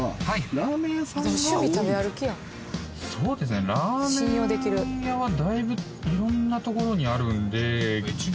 ラーメン屋はだいぶいろんなところにあるんで。